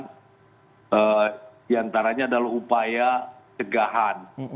di antaranya adalah upaya tegahan